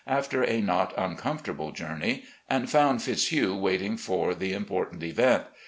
after a not uncomfortable journey, and foimd Fitzhugh waiting for the important event.